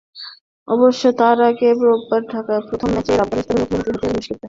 অবশ্য তার আগে রোববার ঢাকায় প্রথম ম্যাচে আফগানিস্তানের মুখোমুখি হতে হবে মুশফিকদের।